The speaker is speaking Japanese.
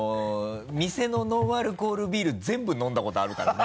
店のノンアルコールビール全部飲んだことあるからね。